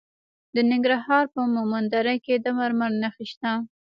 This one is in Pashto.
د ننګرهار په مومند دره کې د مرمرو نښې شته.